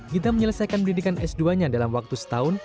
gita menyelesaikan pendidikan s dua nya dalam waktu setahun